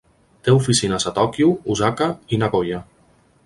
Té oficines a Tòquio, Osaka i Nagoya.